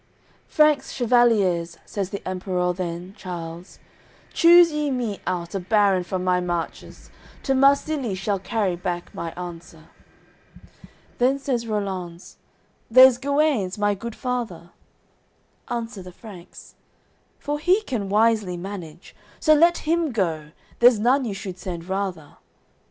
AOI. XX "Franks, chevaliers," says the Emperour then, Charles, "Choose ye me out a baron from my marches, To Marsilie shall carry back my answer." Then says Rollanz: "There's Guenes, my goodfather." Answer the Franks: "For he can wisely manage; So let him go, there's none you should send rather."